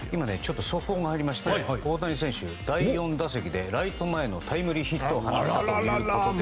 速報が入りまして大谷選手第４打席でライト前のタイムリーヒットを打ったということです。